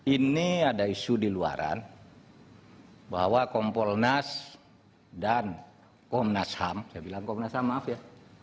ini ada isu di luaran bahwa kompol nas dan kompol nas ham saya bilang kompol nas ham maaf ya